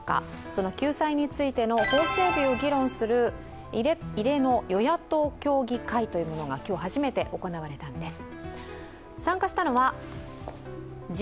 その救済についての法整備を議論する異例の与野党協議会というのが今日初めて行われたんです。